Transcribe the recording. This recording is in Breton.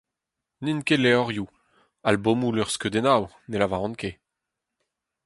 N'int ket levrioù, albomoù luc’hskeudennoù ne lavaran ket.